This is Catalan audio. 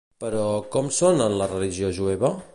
Però, com són en la religió jueva?